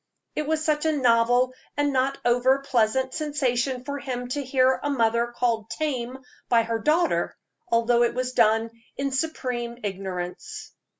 It was such a novel and not over pleasant sensation for him to hear a mother called "tame" by her daughter, although it was done in supreme ignorance.